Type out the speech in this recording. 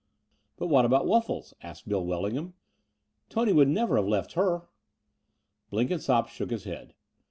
''But what about Wuffles?" asked Bill Welling ham. "Tony would never have left her. Blenkinsopp shook his head.